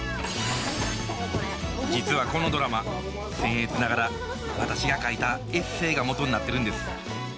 実はこのドラマせん越ながら私が書いたエッセイが元になってるんです。